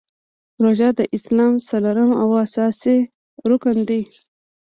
روژه د اسلام څلورم او اساسې رکن دی .